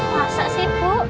masa sih bu